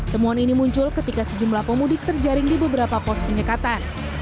temuan ini muncul ketika sejumlah pemudik terjaring di beberapa pos penyekatan